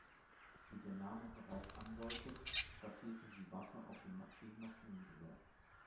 Wie der Name bereits andeutet, basierte die Waffe auf dem Maxim-Maschinengewehr.